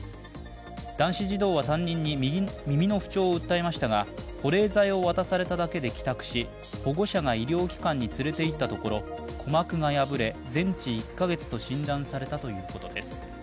男子児童は担任に耳の不調を訴えましたが、保冷剤を渡されただけで帰宅し、保護者が医療機関に連れていったところ鼓膜が破れ全治１か月と診断されたということです。